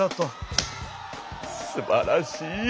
すばらしい！